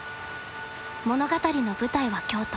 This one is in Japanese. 物語の舞台は京都。